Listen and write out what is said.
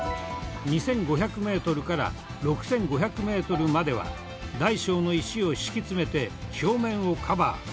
２５００メートルから６５００メートルまでは大小の石を敷き詰めて表面をカバー。